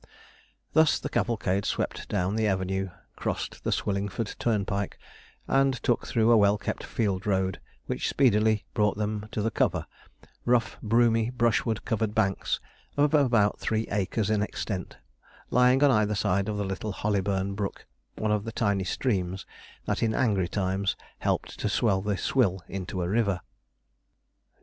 Thus the cavalcade swept down the avenue, crossed the Swillingford turnpike, and took through a well kept field road, which speedily brought them to the cover rough, broomy, brushwood covered banks, of about three acres in extent, lying on either side of the little Hollyburn Brook, one of the tiny streams that in angry times helped to swell the Swill into a river.